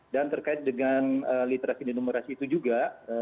dan terkait dengan literasi denumerasi itu juga